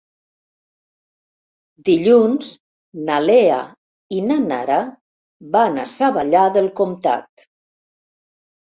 Dilluns na Lea i na Nara van a Savallà del Comtat.